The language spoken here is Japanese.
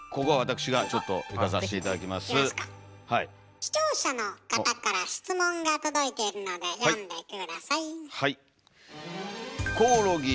視聴者の方から質問が届いているので読んでください。